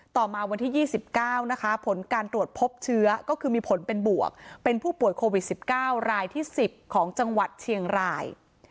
ต่อมาวันที่๒๙นะคะผลการตรวจพบเชื้อก็คือมีผลเป็นบวกเป็นผู้ป่วยโควิด๑๙รายที่๑๐ของจังหวัดเชียงราย